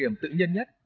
điểm tự nhiên nhất